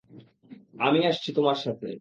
আমি আসছি তোমার সাথে।